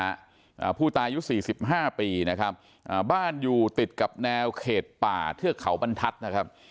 อ่าผู้ตายอายุสี่สิบห้าปีนะครับอ่าบ้านอยู่ติดกับแนวเขตป่าเทือกเขาบรรทัศน์นะครับ